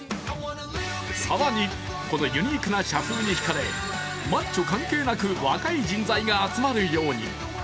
更に、このユニークな社風にひかれマッチョ関係なく若い人材が集まるように。